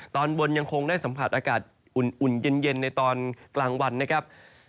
ตอนบนยังคงได้สัมผัสอากาศอุ่นเย็นในตอนกลางวันนะครับ